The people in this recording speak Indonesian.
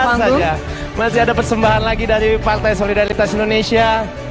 panggung masih ada persembahan lagi dari partai solidaritas indonesia